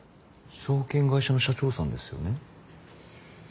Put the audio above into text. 証券会社の社長さんですよね？